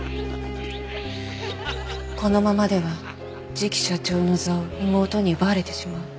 このままでは次期社長の座を妹に奪われてしまう。